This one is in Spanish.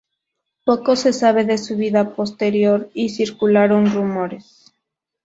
Poco se sabe de su vida posterior, y circularon rumores.